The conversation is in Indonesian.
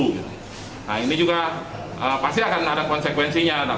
nah ini juga pasti akan ada konsekuensinya